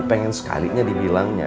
pengen sekalinya dibilangnya